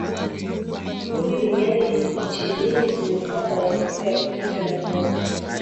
nyingi duniani nchi nyingi zimekuwa na machafuko ya kivita na zenye